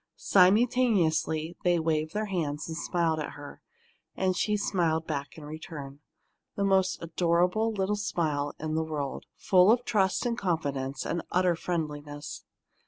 Simultaneously they waved their hands and smiled at her, and she smiled back in return, the most adorable little smile in the world, full of trust and confidence and utter friendliness.